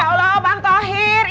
ya allah bang tohir